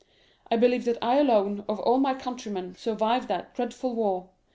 I believe that I alone, of all my countrymen, survived that dreadful war.